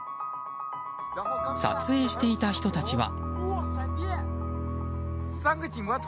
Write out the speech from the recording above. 撮影していた人たちは。